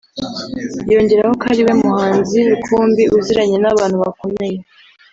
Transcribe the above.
yongeraho ko ari we muhanzi rukumbi uziranye n’abantu bakomeye